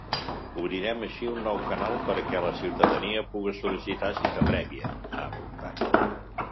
“Obrirem així un nou canal perquè la ciutadania puga sol·licitar cita prèvia”, ha apuntat.